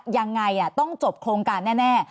ยังไงต้องจบโครงการแน่